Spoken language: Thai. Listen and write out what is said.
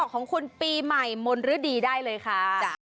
ของคุณปีใหม่มนฤดีได้เลยค่ะ